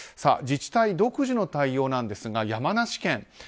自治体独自の対応なんですが山梨県。